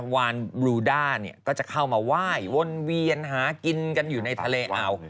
วานบลูด้าเนี่ยก็จะเข้ามาไหว้วนเวียนหากินกันอยู่ในทะเลอ่าว